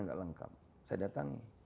enggak lengkap saya datangin